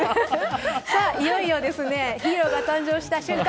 いよいよヒーローが誕生した瞬間